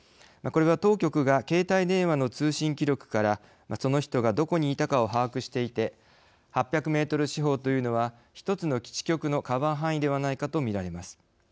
これは、当局が携帯電話の通信記録からその人がどこにいたかを把握していて８００メートル四方というのは１つの基地局のカバー範囲ではないかと見られます。